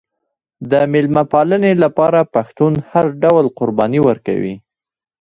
د میلمه پالنې لپاره پښتون هر ډول قرباني ورکوي.